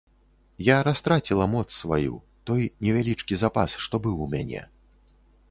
Я растраціла моц сваю, той невялічкі запас, што быў у мяне.